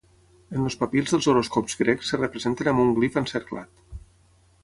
En els papirs dels horòscops grecs es representen amb un glif encerclat.